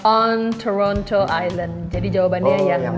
on ronto island jadi jawabannya yang